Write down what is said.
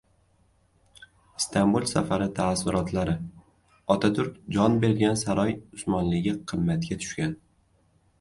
Istanbul safari taassurotlari: “Otaturk jon bergan saroy Usmonliga qimmatga tushgan...”